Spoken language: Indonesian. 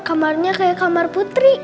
kamarnya kayak kamar putri